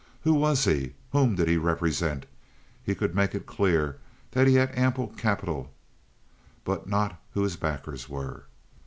Who was he? Whom did he represent? He could make it clear that he had ample capital, but not who his backers were.